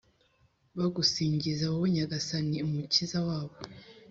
bagusingiza, wowe Nyagasani, Umukiza wabo.